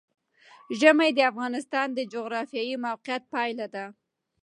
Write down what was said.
ژمی د افغانستان د جغرافیایي موقیعت پایله ده.